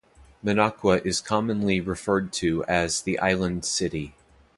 Minocqua is commonly referred to as The Island City.